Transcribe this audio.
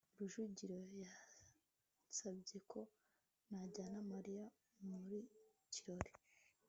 rujugiro yansabye ko najyana mariya mu kirori